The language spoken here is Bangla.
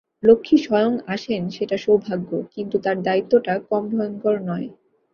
লক্ষ্মী স্বয়ং আসেন সেটা সৌভাগ্য, কিন্তু তার দায়িত্বটা কম ভয়ংকর নয়।